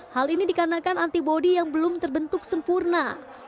hal ini dikarenakan antibody yang belum terbentuk sempurna